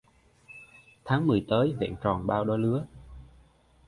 Tháng mười tới vẹn tròn bao đôi lứa